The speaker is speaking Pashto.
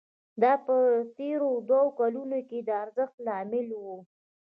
دا په تېرو دوو کلونو کې د ارزښت له امله وو